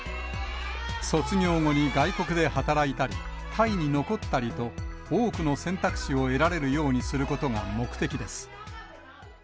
卒業後に外国で働いたり、タイに残ったりと、多くの選択肢を得られるようにすることが目的です。